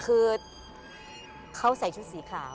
คือเขาใส่ชุดสีขาว